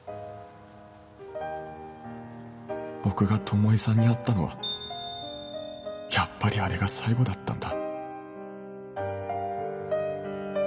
僕が巴さんに会ったのはやっぱりあれが最後だったんだ